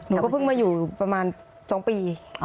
หนูก็เพิ่งมาอยู่ประมาณ๒ปี